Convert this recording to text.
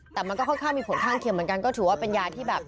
แต่มันก็ค่อนข้างมีผลข้างเคียงเหมือนกันก็ถือว่าเป็นยาที่แบบ